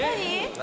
何？